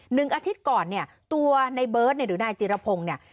หนึ่งอาทิตย์ก่อนเนี่ยตัวในเบิร์ตเนี่ยหรือนายจิรพงศ์เนี่ย